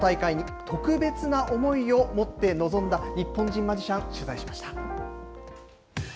その大会に特別な思いをもって臨んだ日本人マジシャン、取材しました。